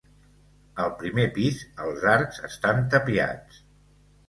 Al primer pis els arcs estan tapiats.